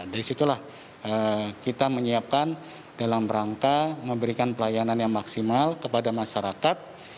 dari situlah kita menyiapkan dalam rangka memberikan pelayanan yang maksimal kepada masyarakat